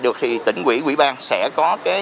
được thì tỉnh quỹ quỹ ban sẽ có